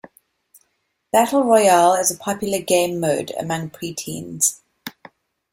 Battle Royale is a popular gamemode among preteens.